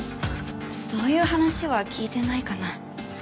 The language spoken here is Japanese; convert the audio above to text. そういう話は聞いてないかな。